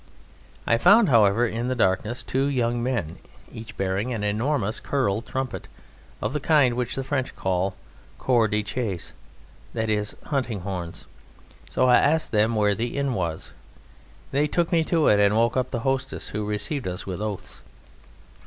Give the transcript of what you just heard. I found, however, in the darkness two young men, each bearing an enormous curled trumpet of the kind which the French call cors de chasse, that is, hunting horns, so I asked them where the inn was. They took me to it and woke up the hostess, who received us with oaths.